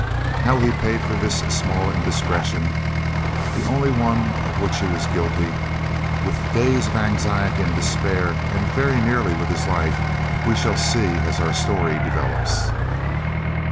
How he paid for this small indiscretion, the only one of which he was guilty, with days of anxiety and despair, and very nearly with his life, we shall see as our story develops!